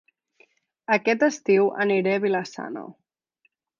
Aquest estiu aniré a Vila-sana